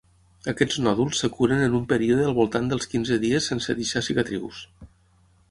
Aquests nòduls es curen en un període al voltant dels quinze dies sense deixar cicatrius.